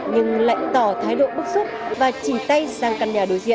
nhưng lãnh tỏ thái độ bức xúc và chỉnh tay sang căn nhà đối diện